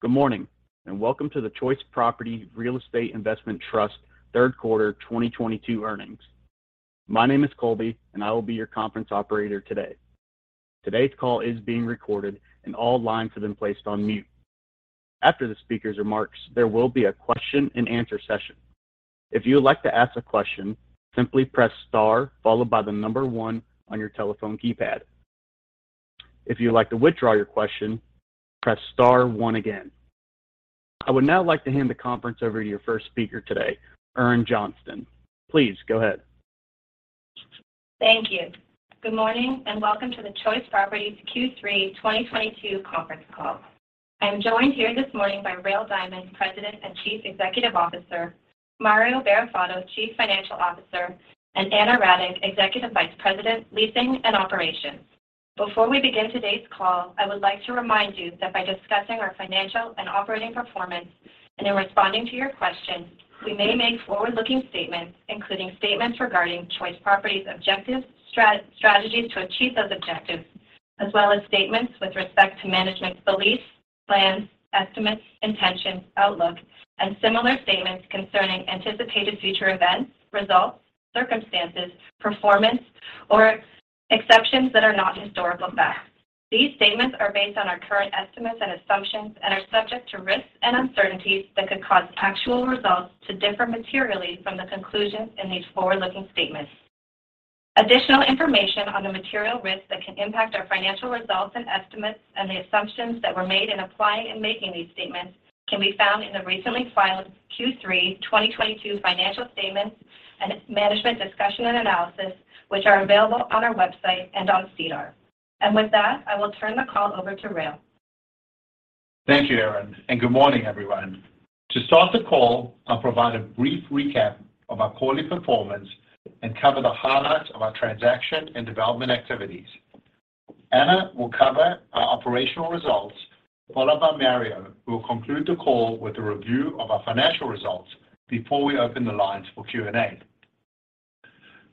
Good morning, and welcome to the Choice Properties Real Estate Investment Trust third quarter 2022 earnings. My name is Colby, and I will be your conference operator today. Today's call is being recorded, and all lines have been placed on mute. After the speaker's remarks, there will be a question-and-answer session. If you would like to ask a question, simply press star followed by the number one on your telephone keypad. If you would like to withdraw your question, press star one again. I would now like to hand the conference over to your first speaker today, Erin Johnston. Please go ahead. Thank you. Good morning, and welcome to the Choice Properties Q3 2022 conference call. I'm joined here this morning by Rael Diamond, President and Chief Executive Officer, Mario Barrafato, Chief Financial Officer, and Ana Radic, Executive Vice President, Leasing and Operations. Before we begin today's call, I would like to remind you that by discussing our financial and operating performance and in responding to your questions, we may make forward-looking statements, including statements regarding Choice Properties objectives, strategies to achieve those objectives, as well as statements with respect to management's beliefs, plans, estimates, intentions, outlook, and similar statements concerning anticipated future events, results, circumstances, performance, or expectations that are not historical facts. These statements are based on our current estimates and assumptions and are subject to risks and uncertainties that could cause actual results to differ materially from the conclusions in these forward-looking statements. Additional information on the material risks that can impact our financial results and estimates and the assumptions that were made in applying and making these statements can be found in the recently filed Q3 2022 financial statements and management discussion and analysis, which are available on our website and on SEDAR. With that, I will turn the call over to Rael. Thank you, Erin, and good morning, everyone. To start the call, I'll provide a brief recap of our quarterly performance and cover the highlights of our transaction and development activities. Ana will cover our operational results, followed by Mario, who will conclude the call with a review of our financial results before we open the lines for Q&A.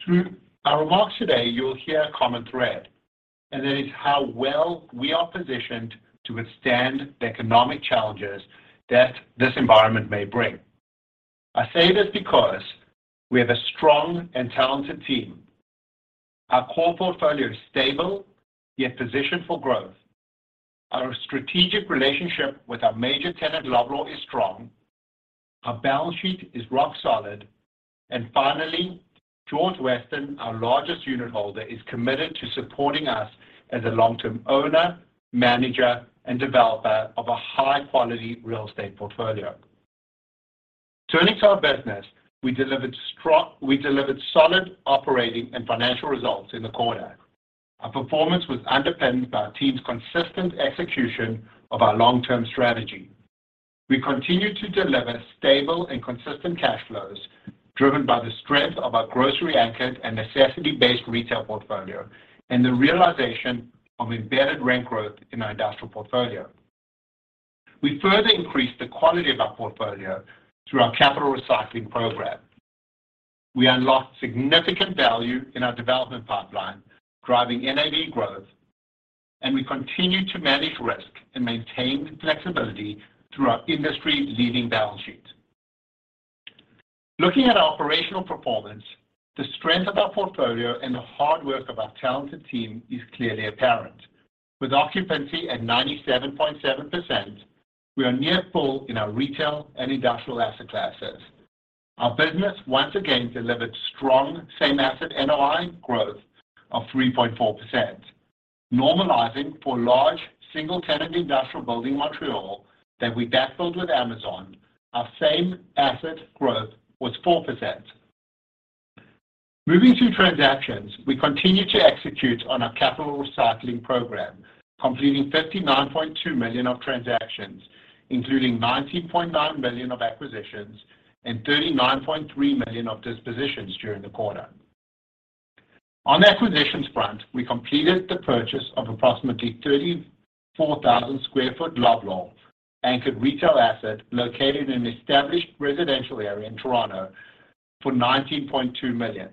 Through our remarks today, you will hear a common thread, and that is how well we are positioned to withstand the economic challenges that this environment may bring. I say this because we have a strong and talented team. Our core portfolio is stable yet positioned for growth. Our strategic relationship with our major tenant, Loblaw, is strong. Our balance sheet is rock solid. And finally, George Weston, our largest unitholder, is committed to supporting us as a long-term owner, manager, and developer of a high-quality real estate portfolio. Turning to our business, we delivered solid operating and financial results in the quarter. Our performance was underpinned by our team's consistent execution of our long-term strategy. We continued to deliver stable and consistent cash flows, driven by the strength of our grocery-anchored and necessity-based retail portfolio and the realization of embedded rent growth in our industrial portfolio. We further increased the quality of our portfolio through our capital recycling program. We unlocked significant value in our development pipeline, driving NAV growth, and we continued to manage risk and maintain flexibility through our industry-leading balance sheet. Looking at our operational performance, the strength of our portfolio and the hard work of our talented team is clearly apparent. With occupancy at 97.7%, we are near full in our retail and industrial asset classes. Our business once again delivered strong same asset NOI growth of 3.4%. Normalizing for large single-tenant industrial building in Montreal that we backfilled with Amazon, our same asset growth was 4%. Moving to transactions, we continued to execute on our capital recycling program, completing 59.2 million of transactions, including 19.9 million of acquisitions and 39.3 million of dispositions during the quarter. On the acquisitions front, we completed the purchase of approximately 34,000 sq ft Loblaw-anchored retail asset located in an established residential area in Toronto for 19.2 million.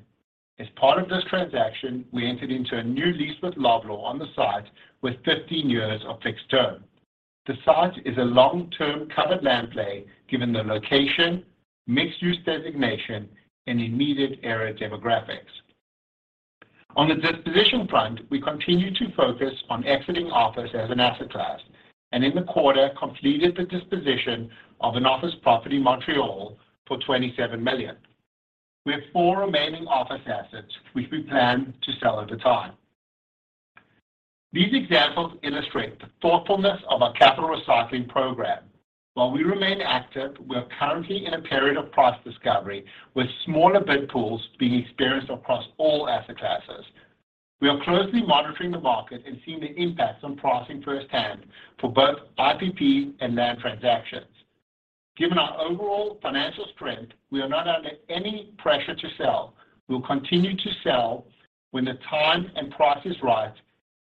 As part of this transaction, we entered into a new lease with Loblaw on the site with 15 years of fixed term. The site is a long-term coveted land play given the location, mixed-use designation, and immediate area demographics. On the disposition front, we continued to focus on exiting office as an asset class, and in the quarter, completed the disposition of an office property in Montreal for 27 million. We have four remaining office assets, which we plan to sell over time. These examples illustrate the thoughtfulness of our capital recycling program. While we remain active, we are currently in a period of price discovery with smaller bid pools being experienced across all asset classes. We are closely monitoring the market and seeing the impacts on pricing firsthand for both IPP and land transactions. Given our overall financial strength, we are not under any pressure to sell. We'll continue to sell when the time and price is right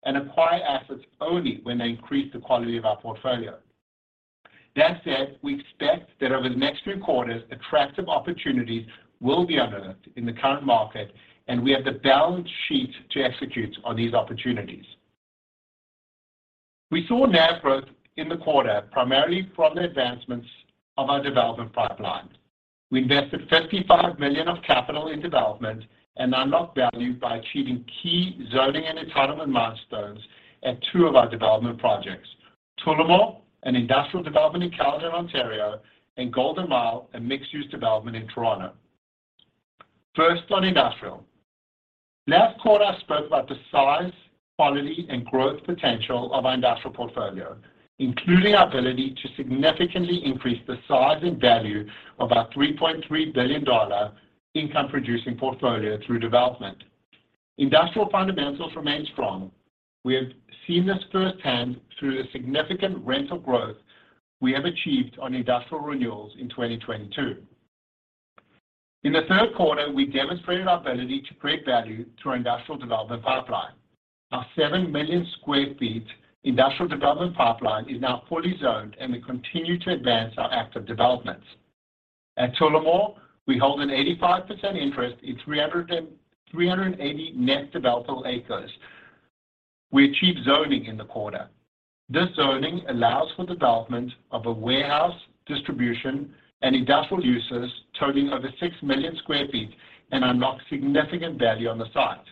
and acquire assets only when they increase the quality of our portfolio. That said, we expect that over the next few quarters, attractive opportunities will be unearthed in the current market, and we have the balance sheet to execute on these opportunities. We saw NAV growth in the quarter, primarily from the advancements of our development pipeline. We invested 55 million of capital in development and unlocked value by achieving key zoning and entitlement milestones at two of our development projects, Tullamore, an industrial development in Caledon, Ontario, and Golden Mile, a mixed-use development in Toronto. First, on industrial. Last quarter, I spoke about the size, quality, and growth potential of our industrial portfolio, including our ability to significantly increase the size and value of our 3.3 billion dollar income-producing portfolio through development. Industrial fundamentals remain strong. We have seen this firsthand through the significant rental growth we have achieved on industrial renewals in 2022. In the third quarter, we demonstrated our ability to create value through our industrial development pipeline. Our 7 million sq ft industrial development pipeline is now fully zoned, and we continue to advance our active developments. At Tullamore, we hold an 85% interest in 380 net developable acres. We achieved zoning in the quarter. This zoning allows for development of a warehouse, distribution, and industrial uses totaling over 6 million sq ft and unlocks significant value on the site.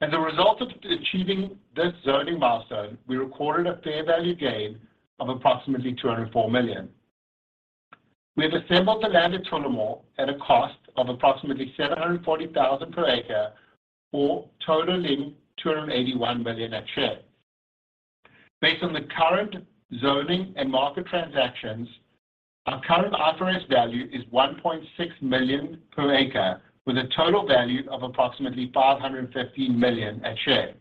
As a result of achieving this zoning milestone, we recorded a fair value gain of approximately 204 million. We have assembled the land at Tullamore at a cost of approximately 740,000 per acre or totaling 281 million at share. Based on the current zoning and market transactions, our current after-risk value is 1.6 million per acre with a total value of approximately 515 million at share.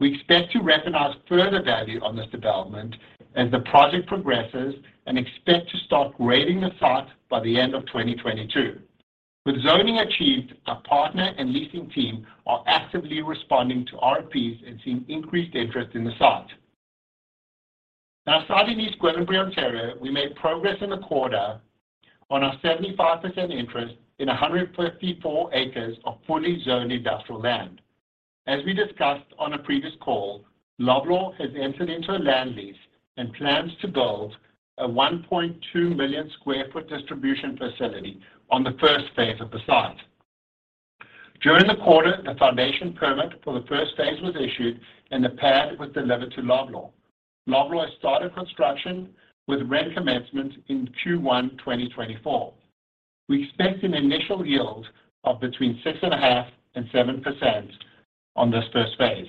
We expect to recognize further value on this development as the project progresses and expect to start grading the site by the end of 2022. With zoning achieved, our partner and leasing team are actively responding to RFPs and seeing increased interest in the site. Now, south of East Gwillimbury, Ontario, we made progress in the quarter on our 75% interest in 154 acres of fully zoned industrial land. As we discussed on a previous call, Loblaw has entered into a land lease and plans to build a 1.2 million sq ft distribution facility on the first phase of the site. During the quarter, the foundation permit for the first phase was issued, and the pad was delivered to Loblaw. Loblaw has started construction with rent commencement in Q1 2024. We expect an initial yield of between 6.5% and 7% on this first phase.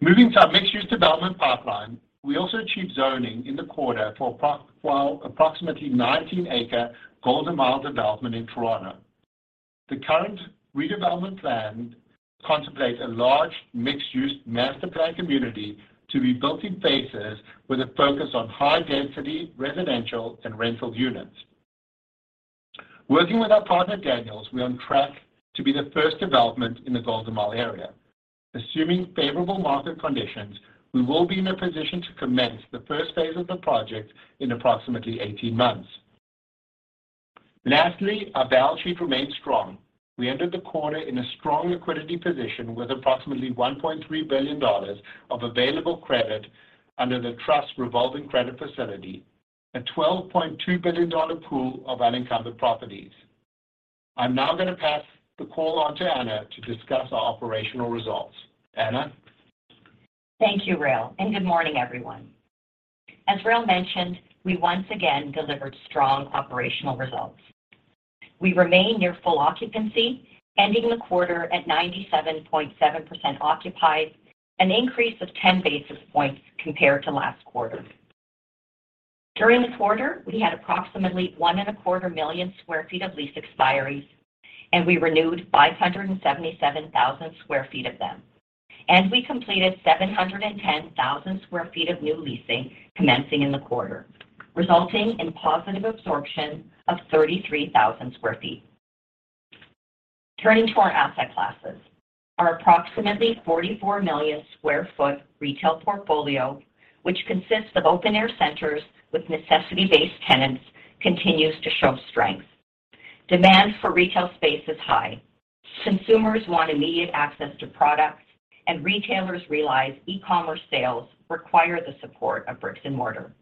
Moving to our mixed-use development pipeline, we also achieved zoning in the quarter for our approximately 19-acre Golden Mile development in Toronto. The current redevelopment plan contemplates a large mixed-use master plan community to be built in phases with a focus on high-density residential and rental units. Working with our partner, Daniels, we're on track to be the first development in the Golden Mile area. Assuming favorable market conditions, we will be in a position to commence the first phase of the project in approximately 18 months. Lastly, our balance sheet remains strong. We ended the quarter in a strong liquidity position with approximately 1.3 billion dollars of available credit under the Trust's revolving credit facility, a 12.2 billion dollar pool of unencumbered properties. I'm now going to pass the call on to Ana to discuss our operational results. Ana? Thank you, Rael, and good morning, everyone. As Rael mentioned, we once again delivered strong operational results. We remain near full occupancy, ending the quarter at 97.7% occupied, an increase of 10 basis points compared to last quarter. During the quarter, we had approximately 1.25 million sq ft of lease expiries, and we renewed 577,000 sq ft of them. We completed 710,000 sq ft of new leasing commencing in the quarter, resulting in positive absorption of 33,000 sq ft. Turning to our asset classes, our approximately 44 million sq ft retail portfolio, which consists of open-air centers with necessity-based tenants, continues to show strength. Demand for retail space is high. Consumers want immediate access to products, and retailers realize e-commerce sales require the support of bricks and mortar.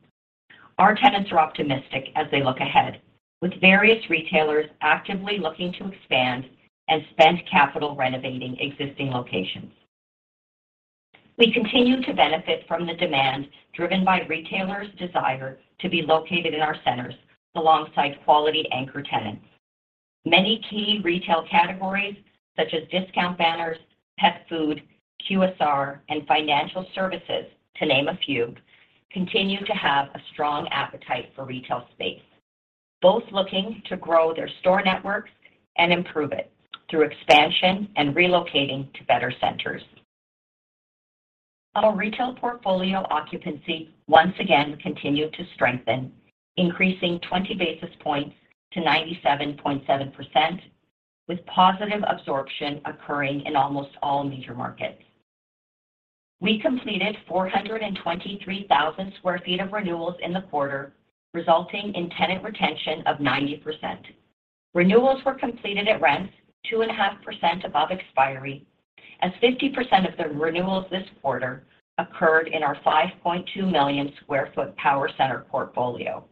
Our tenants are optimistic as they look ahead, with various retailers actively looking to expand and spend capital renovating existing locations. We continue to benefit from the demand driven by retailers' desire to be located in our centers alongside quality anchor tenants. Many key retail categories, such as discount banners, pet food, QSR, and financial services, to name a few, continue to have a strong appetite for retail space, both looking to grow their store networks and improve it through expansion and relocating to better centers. Our retail portfolio occupancy once again continued to strengthen, increasing 20 basis points to 97.7%, with positive absorption occurring in almost all major markets. We completed 423,000 sq ft of renewals in the quarter, resulting in tenant retention of 90%. Renewals were completed at rents 2.5% above expiry as 50% of the renewals this quarter occurred in our 5.2 million sq ft power center portfolio.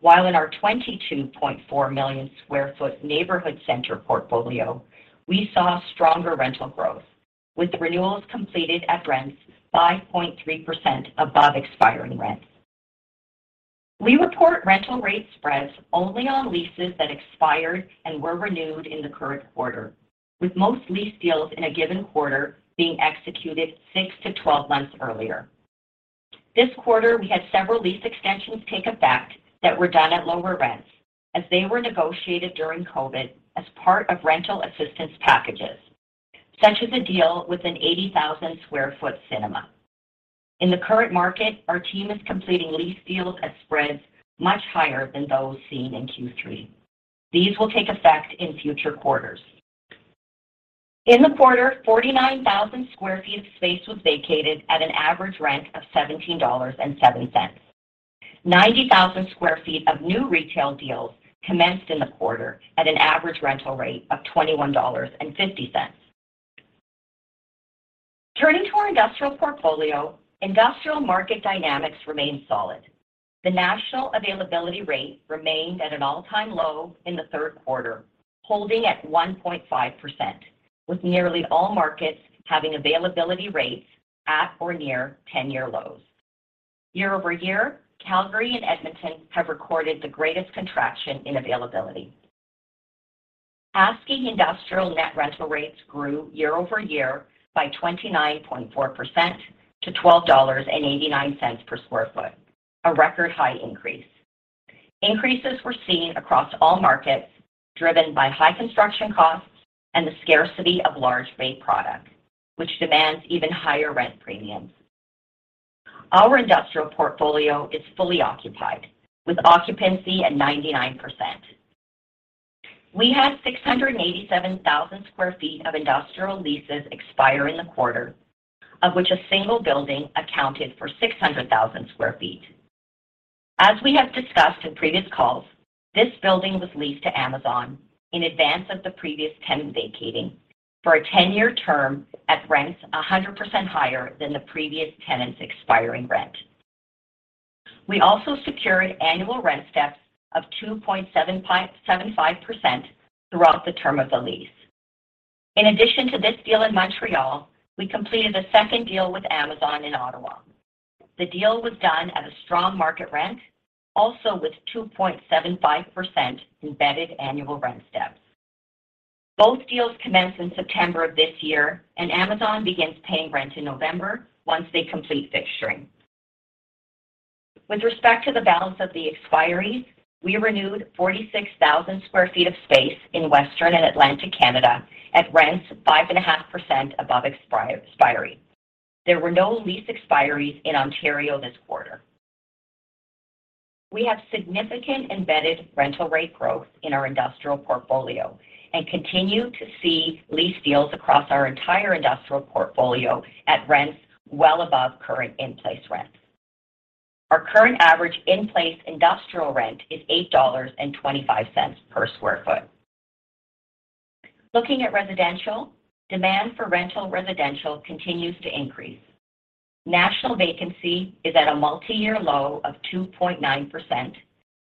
While in our 22.4 million sq ft neighborhood center portfolio, we saw stronger rental growth with renewals completed at rents 5.3% above expiring rents. We report rental rate spreads only on leases that expired and were renewed in the current quarter, with most lease deals in a given quarter being executed 6-12 months earlier. This quarter, we had several lease extensions take effect that were done at lower rents as they were negotiated during COVID as part of rental assistance packages, such as a deal with an 80,000 sq ft cinema. In the current market, our team is completing lease deals at spreads much higher than those seen in Q3. These will take effect in future quarters. In the quarter, 49,000 sq ft of space was vacated at an average rent of 17.07 dollars. 90,000 sq ft of new retail deals commenced in the quarter at an average rental rate of 21.50 dollars. Turning to our industrial portfolio, industrial market dynamics remained solid. The national availability rate remained at an all-time low in the third quarter, holding at 1.5%, with nearly all markets having availability rates at or near 10-year lows. Year-over-year, Calgary and Edmonton have recorded the greatest contraction in availability. Asking industrial net rental rates grew year-over-year by 29.4% to 12.89 dollars per sq ft, a record high increase. Increases were seen across all markets, driven by high construction costs and the scarcity of large bay products, which demands even higher rent premiums. Our industrial portfolio is fully occupied, with occupancy at 99%. We had 687,000 sq ft of industrial leases expire in the quarter, of which a single building accounted for 600,000 sq ft. As we have discussed in previous calls, this building was leased to Amazon in advance of the previous tenant vacating for a 10-year term at rents 100% higher than the previous tenant's expiring rent. We also secured annual rent steps of 2.75, 7.5% throughout the term of the lease. In addition to this deal in Montreal, we completed a second deal with Amazon in Ottawa. The deal was done at a strong market rent, also with 2.75% embedded annual rent steps. Both deals commenced in September of this year, and Amazon begins paying rent in November once they complete fixturing. With respect to the balance of the expiries, we renewed 46,000 sq ft of space in Western and Atlantic Canada at rents 5.5% above expiry. There were no lease expiries in Ontario this quarter. We have significant embedded rental rate growth in our industrial portfolio and continue to see lease deals across our entire industrial portfolio at rents well above current in-place rents. Our current average in-place industrial rent is 8.25 dollars per sq ft. Looking at residential, demand for rental residential continues to increase. National vacancy is at a multi-year low of 2.9%,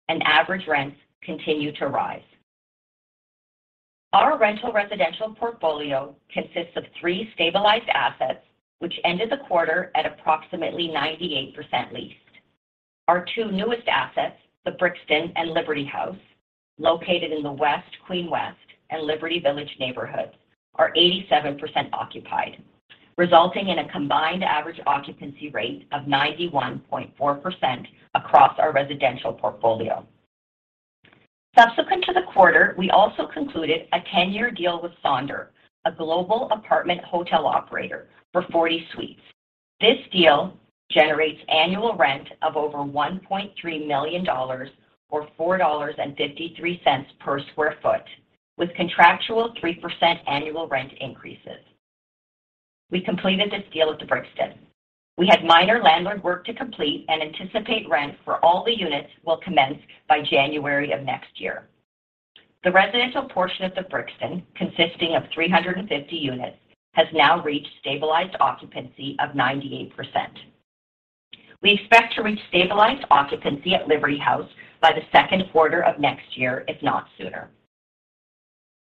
and average rents continue to rise. Our rental residential portfolio consists of three stabilized assets, which ended the quarter at approximately 98% leased. Our two newest assets, The Brixton and Liberty House, located in the West Queen West and Liberty Village neighborhoods, are 87% occupied, resulting in a combined average occupancy rate of 91.4% across our residential portfolio. Subsequent to the quarter, we also concluded a 10-year deal with Sonder, a global apartment hotel operator, for 40 suites. This deal generates annual rent of over 1.3 million dollars or 4.53 dollars per sq ft, with contractual 3% annual rent increases. We completed this deal at The Brixton. We had minor landlord work to complete and anticipate rent for all the units will commence by January of next year. The residential portion of The Brixton, consisting of 350 units, has now reached stabilized occupancy of 98%. We expect to reach stabilized occupancy at Liberty House by the second quarter of next year, if not sooner.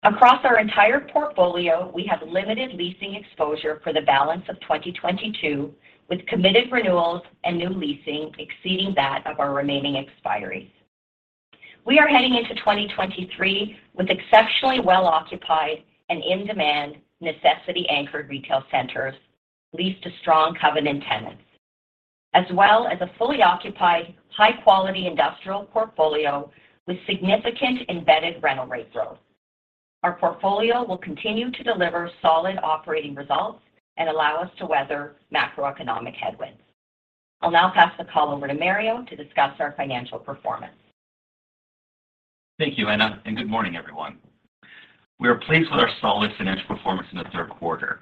Across our entire portfolio, we have limited leasing exposure for the balance of 2022, with committed renewals and new leasing exceeding that of our remaining expiries. We are heading into 2023 with exceptionally well occupied and in-demand necessity-anchored retail centers leased to strong covenant tenants, as well as a fully occupied, high-quality industrial portfolio with significant embedded rental rate growth. Our portfolio will continue to deliver solid operating results and allow us to weather macroeconomic headwinds. I'll now pass the call over to Mario to discuss our financial performance. Thank you, Ana, and good morning, everyone. We are pleased with our solid financial performance in the third quarter.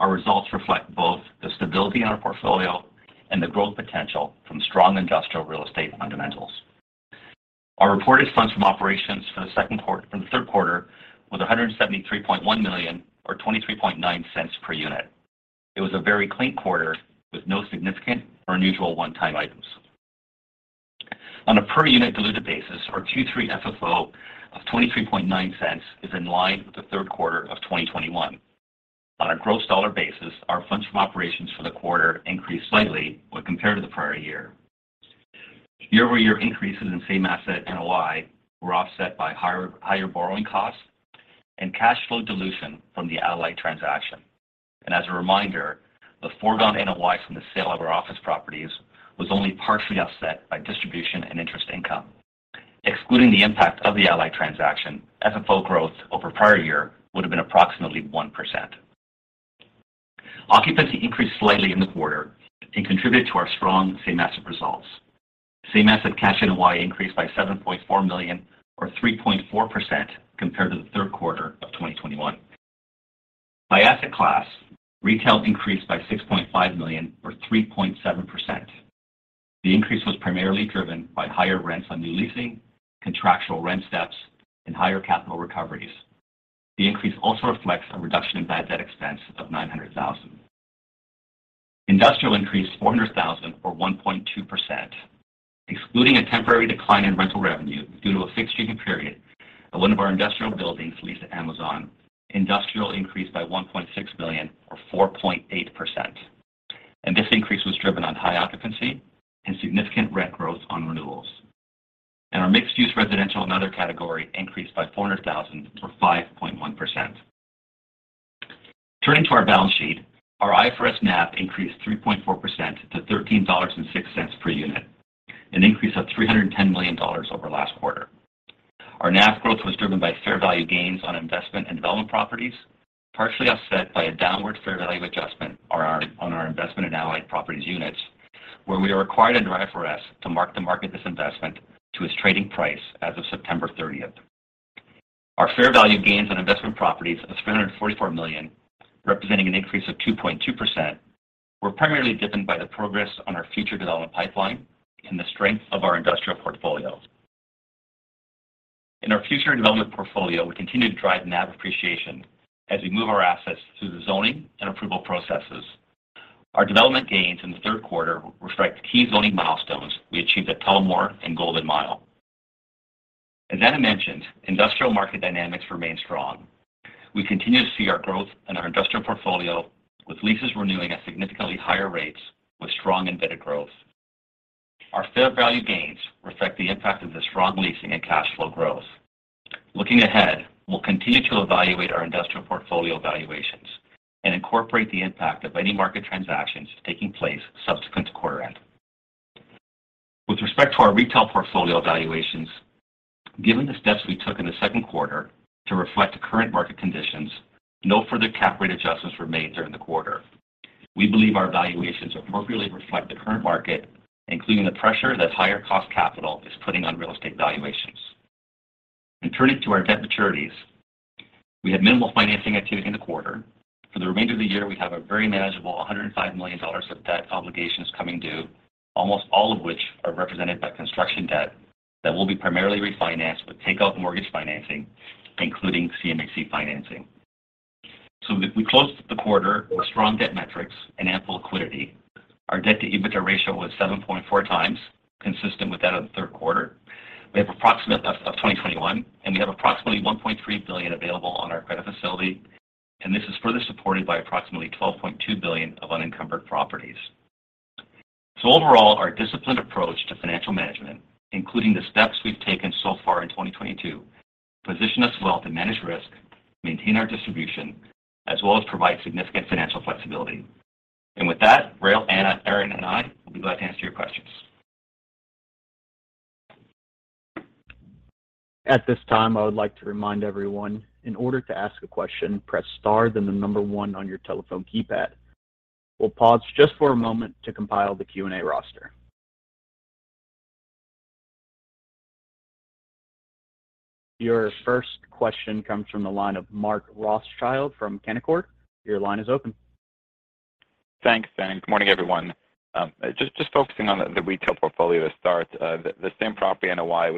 Our results reflect both the stability in our portfolio and the growth potential from strong industrial real estate fundamentals. Our reported funds from operations for the third quarter was 173.1 million or $0.239 Per unit. It was a very clean quarter with no significant or unusual one-time items. On a per unit diluted basis, our Q3 FFO of $0.239 Is in line with the third quarter of 2021. On a gross dollar basis, our funds from operations for the quarter increased slightly when compared to the prior year. Year-over-year increases in same asset NOI were offset by higher borrowing costs and cash flow dilution from the Allied transaction. As a reminder, the foregone NOI from the sale of our office properties was only partially offset by distribution and interest income. Excluding the impact of the Allied transaction, FFO growth over prior year would have been approximately 1%. Occupancy increased slightly in the quarter and contributed to our strong same asset results. Same asset cash NOI increased by 7.4 million or 3.4% compared to the third quarter of 2021. By asset class, retail increased by 6.5 million or 3.7%. The increase was primarily driven by higher rents on new leasing, contractual rent steps, and higher capital recoveries. The increase also reflects a reduction in bad debt expense of 900,000. Industrial increased 400,000 or 1.2%. Excluding a temporary decline in rental revenue due to a fixed leasing period at one of our industrial buildings leased to Amazon, industrial increased by 1.6 million or 4.8%. This increase was driven by high occupancy and significant rent growth on renewals. Our mixed-use residential and other category increased by 400,000 or 5.1%. Turning to our balance sheet, our IFRS NAV increased 3.4% to 13.06 dollars per unit, an increase of 310 million dollars over last quarter. Our NAV growth was driven by fair value gains on investment and development properties, partially offset by a downward fair value adjustment on our investment in Allied Properties units, where we are required under IFRS to mark-to-market this investment to its trading price as of September 30. Our fair value gains on investment properties of 344 million, representing an increase of 2.2%, were primarily driven by the progress on our future development pipeline and the strength of our industrial portfolio. In our future development portfolio, we continue to drive NAV appreciation as we move our assets through the zoning and approval processes. Our development gains in the third quarter reflect key zoning milestones we achieved at Tullamore and Golden Mile. As Ana mentioned, industrial market dynamics remain strong. We continue to see our growth in our industrial portfolio with leases renewing at significantly higher rates with strong embedded growth. Our fair value gains reflect the impact of the strong leasing and cash flow growth. Looking ahead, we'll continue to evaluate our industrial portfolio valuations and incorporate the impact of any market transactions taking place subsequent to quarter end. With respect to our retail portfolio valuations, given the steps we took in the second quarter to reflect the current market conditions, no further cap rate adjustments were made during the quarter. We believe our valuations appropriately reflect the current market, including the pressure that higher cost capital is putting on real estate valuations. Turning to our debt maturities, we had minimal financing activity in the quarter. For the remainder of the year, we have a very manageable 105 million dollars of debt obligations coming due, almost all of which are represented by construction debt that will be primarily refinanced with takeout mortgage financing, including CMHC financing. We closed the quarter with strong debt metrics and ample liquidity. Our debt-to-EBITDA ratio was 7.4x, consistent with that of the third quarter. We have approximately 1.3 billion available on our credit facility, and this is further supported by approximately 12.2 billion of unencumbered properties. Overall, our disciplined approach to financial management, including the steps we've taken so far in 2022, position us well to manage risk, maintain our distribution, as well as provide significant financial flexibility. With that, Rael, Ana, Erin, and I will be glad to answer your questions. At this time, I would like to remind everyone, in order to ask a question, press star then the number one on your telephone keypad. We'll pause just for a moment to compile the Q&A roster. Your first question comes from the line of Mark Rothschild from Canaccord. Your line is open. Thanks, Ben. Morning, everyone. Just focusing on the retail portfolio to start. The same property NOI.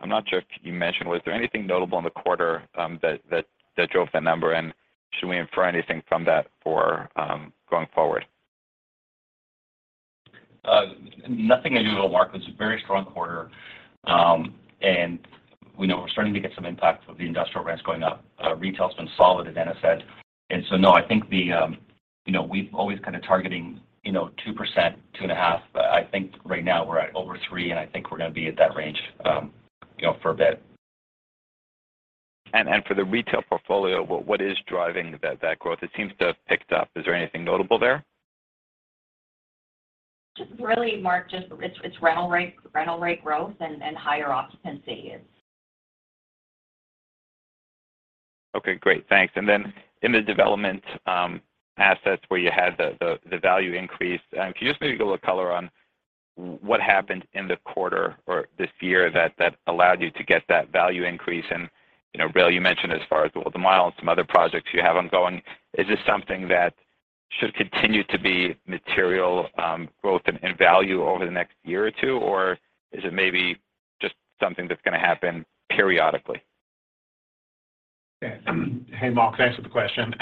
I'm not sure if you mentioned. Was there anything notable in the quarter that drove that number? Should we infer anything from that for going forward? Nothing unusual, Mark. It's a very strong quarter. We know we're starting to get some impact of the industrial rents going up. Retail's been solid, as Ana said. No, I think the, you know, we've always kind of targeting, you know, 2%, 2.5%. I think right now we're at over 3%, and I think we're going to be at that range, you know, for a bit. For the retail portfolio, what is driving that growth? It seems to have picked up. Is there anything notable there? Just really, Mark, it's rental rate growth and higher occupancy is. Okay, great. Thanks. In the development assets where you had the value increase, can you just maybe give a little color on what happened in the quarter or this year that allowed you to get that value increase? You know, Rael, you mentioned as far as the Golden Mile and some other projects you have ongoing, is this something that should continue to be material growth in value over the next year or two? Or is it maybe just something that's gonna happen periodically? Yeah. Hey, Mark. Thanks for the question.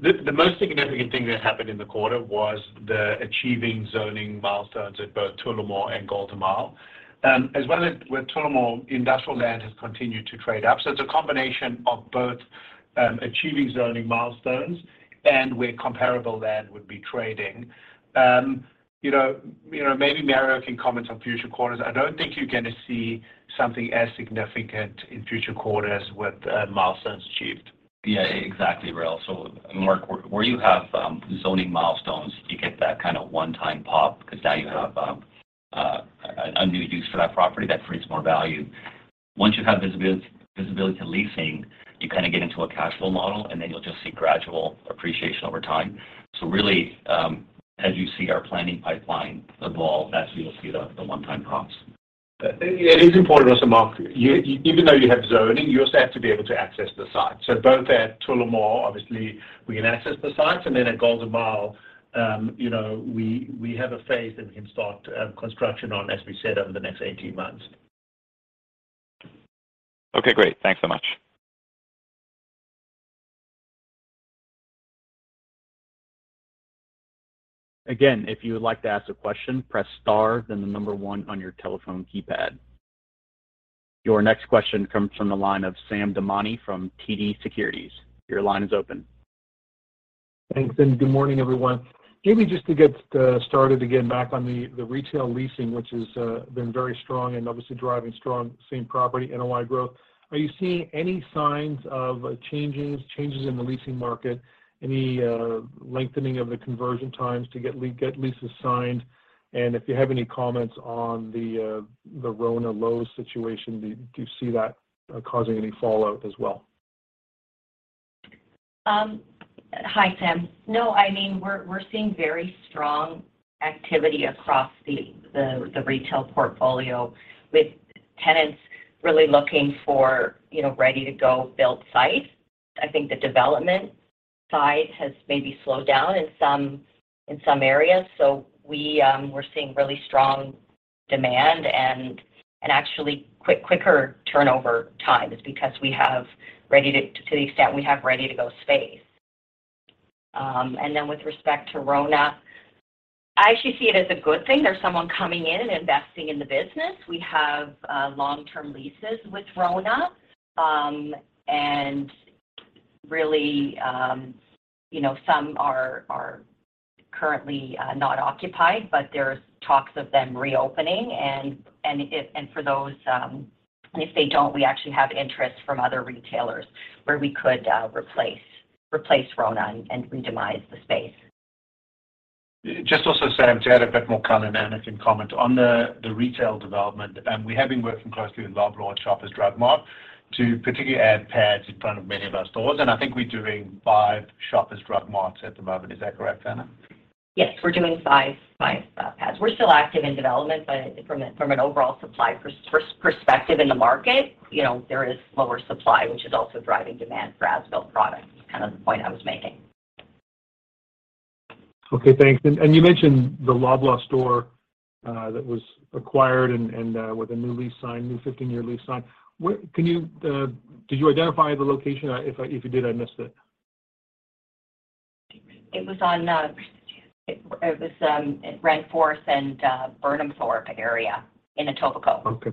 The most significant thing that happened in the quarter was the achieving zoning milestones at both Tullamore and Golden Mile. As well as with Tullamore, industrial land has continued to trade up. So it's a combination of both, achieving zoning milestones and where comparable land would be trading. You know, maybe Mario can comment on future quarters. I don't think you're gonna see something as significant in future quarters with milestones achieved. Yeah. Exactly, Rael. Mark, where you have zoning milestones, you get that kind of one-time pop because now you have a new use for that property that creates more value. Once you have visibility to leasing, you kind of get into a cash flow model, and then you'll just see gradual appreciation over time. Really, as you see our planning pipeline evolve, that's where you'll see the one-time pops. It is important also, Mark, even though you have zoning, you also have to be able to access the site. Both at Tullamore, obviously, we can access the sites, and then at Golden Mile, you know, we have a phase that we can start construction on, as we said, over the next 18 months. Okay, great. Thanks so much. Again, if you would like to ask a question, press star, then the number one on your telephone keypad. Your next question comes from the line of Sam Damiani from TD Securities. Your line is open. Thanks. Good morning, everyone. Jamie, just to get started again back on the retail leasing, which has been very strong and obviously driving strong same property NOI growth. Are you seeing any signs of changes in the leasing market, any lengthening of the conversion times to get leases signed? If you have any comments on the RONA Lowe's situation, do you see that causing any fallout as well? Hi, Sam. I mean, we're seeing very strong activity across the retail portfolio with tenants really looking for, you know, ready-to-go build sites. I think the development side has maybe slowed down in some areas. We're seeing really strong demand and actually quicker turnover times because, to the extent we have ready-to-go space. And then with respect to RONA, I actually see it as a good thing. There's someone coming in and investing in the business. We have long-term leases with RONA and really, you know, some are currently not occupied, but there's talks of them reopening and if they don't, for those, we actually have interest from other retailers where we could replace RONA and re-demise the space. Just also, Sam, to add a bit more color, and Ana can comment. On the retail development, we have been working closely with Loblaw and Shoppers Drug Mart to particularly add pads in front of many of our stores. I think we're doing five Shoppers Drug Marts at the moment. Is that correct, Ana? Yes. We're doing five pads. We're still active in development, but from an overall supply perspective in the market, you know, there is lower supply, which is also driving demand for industrial products, kind of the point I was making. Okay, thanks. You mentioned the Loblaw store that was acquired with a new lease signed, new 15-year lease signed. Where? Can you? Did you identify the location? If you did, I missed it. It was on Renforth and Burnhamthorpe area in Etobicoke. Okay.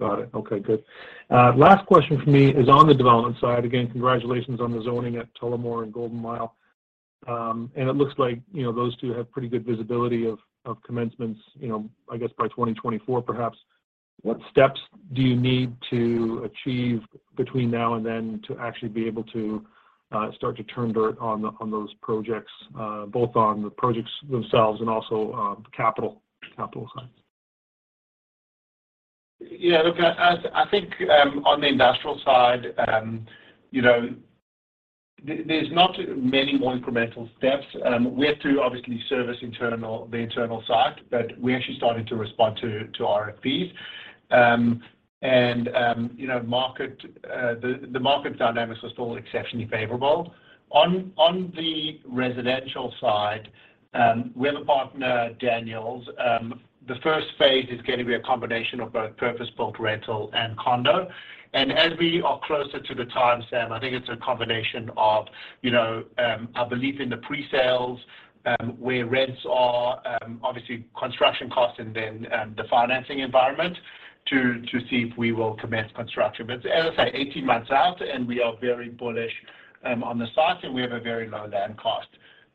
Got it. Okay, good. Last question from me is on the development side. Again, congratulations on the zoning at Tullamore and Golden Mile. It looks like, you know, those two have pretty good visibility of commencements, you know, I guess by 2024 perhaps. What steps do you need to achieve between now and then to actually be able to start to turn dirt on those projects both on the projects themselves and also capital, the capital side? Yeah, look, I think on the industrial side, you know, there's not many more incremental steps. We have to obviously service the internal site, but we actually started to respond to RFPs. You know, the market dynamics are still exceptionally favorable. On the residential side, we have a partner, Daniels. The first phase is gonna be a combination of both purpose-built rental and condo. As we are closer to the time, Sam, I think it's a combination of, you know, our belief in the pre-sales, where rents are obviously construction costs and then the financing environment to see if we will commence construction. As I say, 18 months out, and we are very bullish on the site, and we have a very low land cost,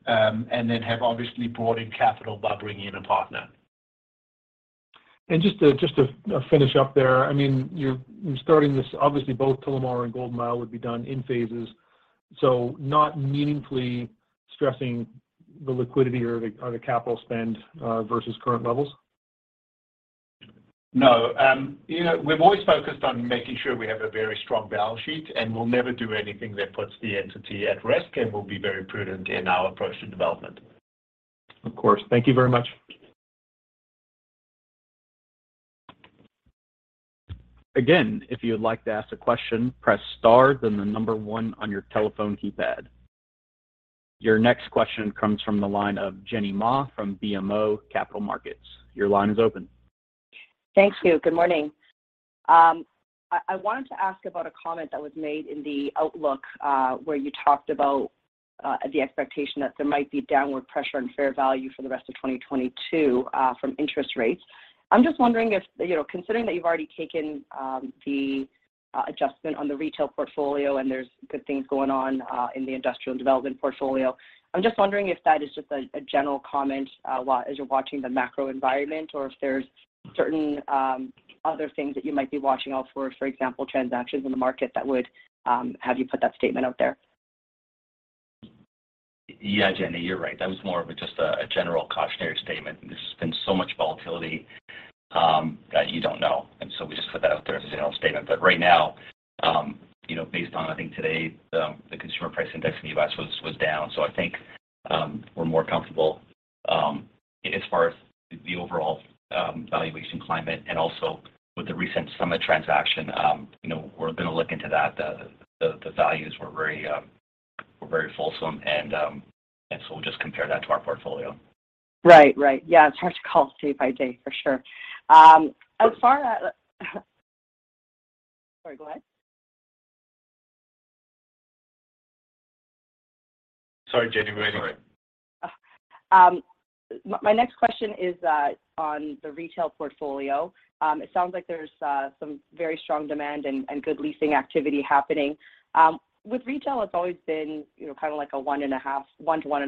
and then have obviously brought in capital by bringing in a partner. Just to finish up there. I mean, you're starting this obviously. Both Tullamore and Golden Mile would be done in phases, so not meaningfully stressing the liquidity or the capital spend versus current levels? No. You know, we've always focused on making sure we have a very strong balance sheet, and we'll never do anything that puts the entity at risk, and we'll be very prudent in our approach to development. Of course. Thank you very much. Again, if you would like to ask a question, press star, then the number one on your telephone keypad. Your next question comes from the line of Jenny Ma from BMO Capital Markets. Your line is open. Thank you. Good morning. I wanted to ask about a comment that was made in the outlook, where you talked about the expectation that there might be downward pressure on fair value for the rest of 2022 from interest rates. I'm just wondering if, you know, considering that you've already taken the adjustment on the retail portfolio, and there's good things going on in the industrial development portfolio. I'm just wondering if that is just a general comment as you're watching the macro environment or if there's certain other things that you might be watching out for. For example, transactions in the market that would have you put that statement out there. Yeah, Jenny, you're right. That was more of just a general cautionary statement, and there's been so much volatility, that you don't know. We just put that out there as a general statement. Right now, you know, based on, I think today, the consumer price index in the U.S. was down. I think we're more comfortable, as far as the overall valuation climate and also with the recent Summit transaction. You know, we're gonna look into that. The values were very fulsome, and so we'll just compare that to our portfolio. Right. Right. Yeah, it's hard to call day by day for sure. Sorry, go ahead. Sorry, Jenny. We're waiting. My next question is on the retail portfolio. It sounds like there's some very strong demand and good leasing activity happening. With retail, it's always been, you know, kind of like a 1%-1.5%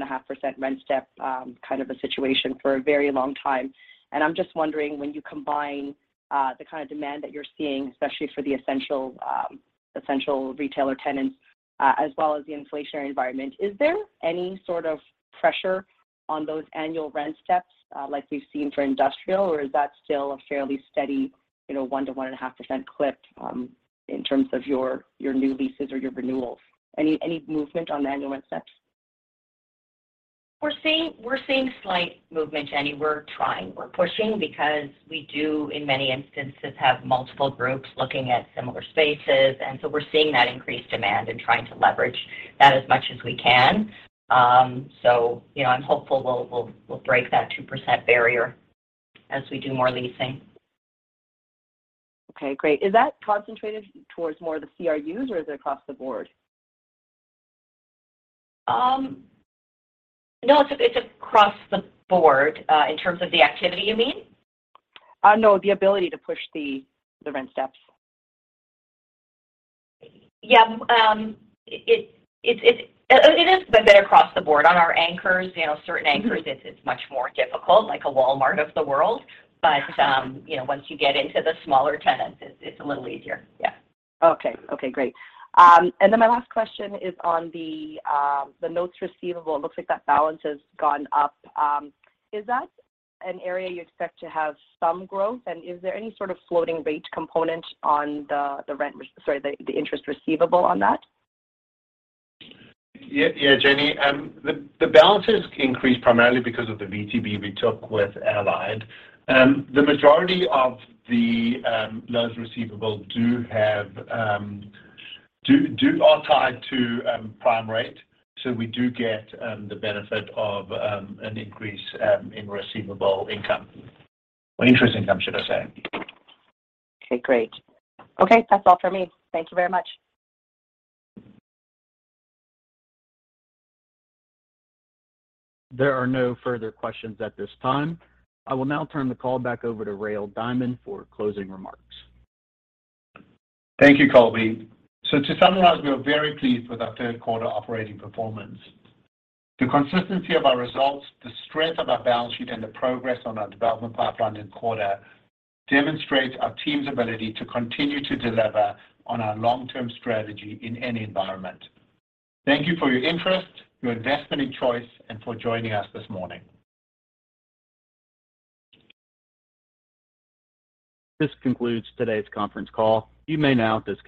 rent step kind of a situation for a very long time. I'm just wondering, when you combine the kind of demand that you're seeing, especially for the essential retailer tenants, as well as the inflationary environment, is there any sort of pressure on those annual rent steps, like we've seen for industrial, or is that still a fairly steady, you know, 1%-1.5% clip, in terms of your new leases or your renewals? Any movement on the annual rent steps? We're seeing slight movement, Jenny. We're trying. We're pushing because we do in many instances have multiple groups looking at similar spaces, and so we're seeing that increased demand and trying to leverage that as much as we can. So, you know, I'm hopeful we'll break that 2% barrier as we do more leasing. Okay, great. Is that concentrated towards more of the CRUs or is it across the board? No, it's across the board. In terms of the activity, you mean? No, the ability to push the rent steps. Yeah. It is a bit across the board. On our anchors, you know, certain anchors, it's much more difficult, like a Walmart of the world. You know, once you get into the smaller tenants, it's a little easier. Yeah. Okay. Okay, great. My last question is on the notes receivable. It looks like that balance has gone up. Is that an area you expect to have some growth, and is there any sort of floating rate component on the interest receivable on that? Yeah. Yeah, Jenny. The balance has increased primarily because of the VTB we took with Allied. The majority of the loans receivable are tied to prime rate. We do get the benefit of an increase in receivable income, or interest income, should I say. Okay, great. Okay, that's all for me. Thank you very much. There are no further questions at this time. I will now turn the call back over to Rael Diamond for closing remarks. Thank you, Colby. To summarize, we are very pleased with our third quarter operating performance. The consistency of our results, the strength of our balance sheet, and the progress on our development pipeline this quarter demonstrate our team's ability to continue to deliver on our long-term strategy in any environment. Thank you for your interest, your investment of choice, and for joining us this morning. This concludes today's conference call. You may now disconnect.